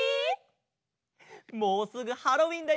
もうすぐハロウィーンだよね。